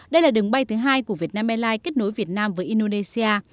đây là đường bay thứ hai của vietnam airlines kết nối việt nam với indonesia